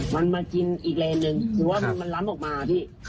มันมากินอีกเลนหนึ่งคือว่ามันล้ำออกมาพี่